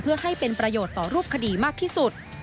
เพื่อให้เป็นประโยชน์ต่อรูปคดีมากที่สุด